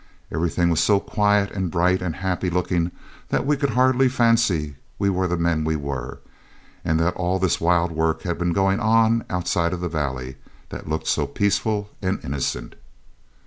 Everything was so quiet, and bright and happy looking, that we could hardly fancy we were the men we were; and that all this wild work had been going on outside of the valley that looked so peaceful and innocent.